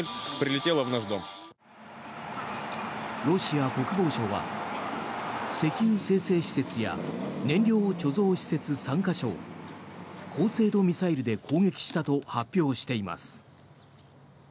ロシア国防省は石油精製施設や燃料貯蔵施設３か所を高精度ミサイルで攻撃したと発表しています。